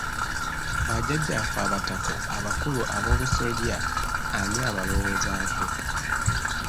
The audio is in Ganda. Bajjajjaffe Abataka abakulu Aboobusolya ani abalowoozaako?